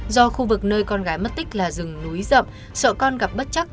do khu vực nơi con gái mất tích là rừng núi rậm sợ con gặp bất chắc